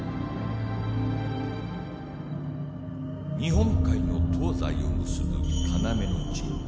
日本海の東西を結ぶ要の地